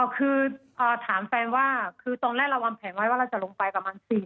คือถามแฟนว่าคือตอนแรกเราวางแผนไว้ว่าเราจะลงไปประมาณ๔๐